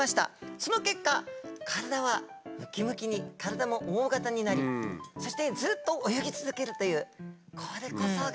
その結果体はムキムキに体も大型になりそしてずっと泳ぎ続けるというこれこそがカツオちゃんです。